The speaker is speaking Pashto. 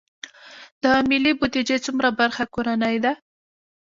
د ملي بودیجې څومره برخه کورنۍ ده؟